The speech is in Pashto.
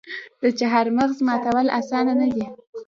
د چهارمغز ماتول اسانه نه دي.